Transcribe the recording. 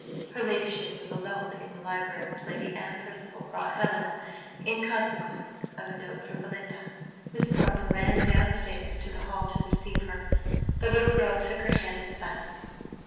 Her ladyship was alone in the library, when Lady Anne Percival brought Helena, in consequence of a note from Belinda. Miss Portman ran down stairs to the hall to receive her: the little girl took her hand in silence.